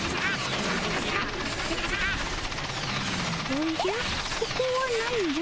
おじゃここはなんじゃ？